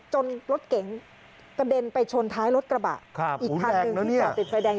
จนรถเก๋งกระเด็นไปชนท้ายรถกระบะค่ะอุ้ยแดงแล้วเนี้ยอีกคันนึงที่ติดไฟแดง